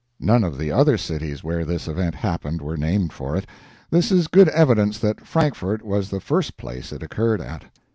None of the other cities where this event happened were named for it. This is good evidence that Frankfort was the first place it occurred at.